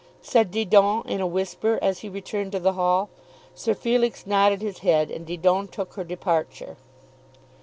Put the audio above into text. said Didon in a whisper as he returned to the hall. Sir Felix nodded his head, and Didon took her departure.